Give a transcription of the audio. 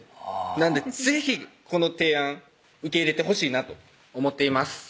なんで是非この提案受け入れてほしいなと思っています